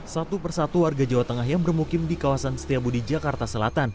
satu persatu warga jawa tengah yang bermukim di kawasan setiabudi jakarta selatan